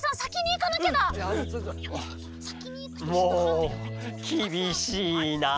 もうきびしいなあ！